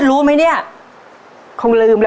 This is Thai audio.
ตัวเลือกที่สี่อายุ๙๖ปี๔เดือน๘วัน